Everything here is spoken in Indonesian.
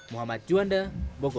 muhammad juanda bogor